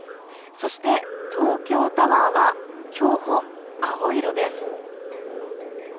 そして、東京タワーは今日も青色です。